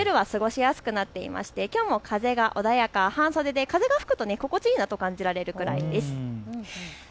夜は過ごしやすくなっていまして風が穏やか、半袖でいると風が心地いいなと感じられるくらいです。